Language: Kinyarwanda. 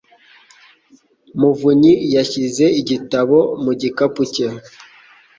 muvunyi yashyize igitabo mu gikapu cye.